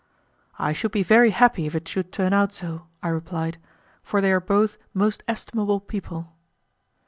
"I should be very happy if it should turn out so," I replied; "for they are both most estimable people."